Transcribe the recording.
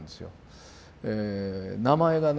名前がね